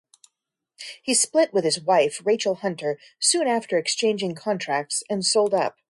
He split with his wife, Rachel Hunter, soon after exchanging contracts and sold up.